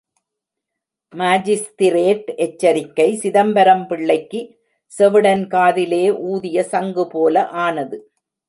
Magistrate எச்சரிக்கை சிதம்பரம் பிள்ளைக்கு செவிடன் காதிலே ஊதிய சங்கு போல ஆனது.